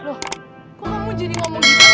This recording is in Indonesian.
loh kok kamu jadi ngomong gini